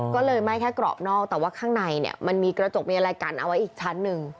ก็เลยไหม้แค่กรอบนอกแต่ว่าข้างในเนี่ยมันมีกระจกมีอะไรกันเอาไว้อีกชั้นหนึ่ง